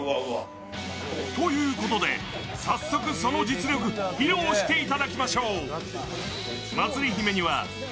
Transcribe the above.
ということで早速その実力披露していただきましょう！